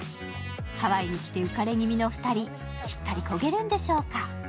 ハワイに来て浮かれ気味の２人、しっかりこげるんでしょうか。